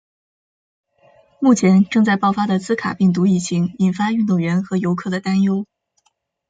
目前正在爆发的兹卡病毒疫情引发运动员和游客的担忧。